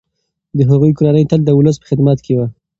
د هغوی کورنۍ تل د ولس په خدمت کي وه.